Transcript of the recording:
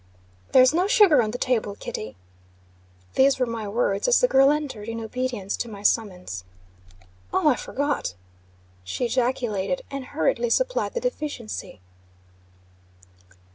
"There's no sugar on the table, Kitty." These were my words, as the girl entered, in obedience to my summons. "Oh, I forgot!" she ejaculated, and hurriedly supplied the deficiency.